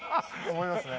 思いますね。